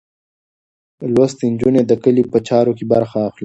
لوستې نجونې د کلي په چارو کې برخه اخلي.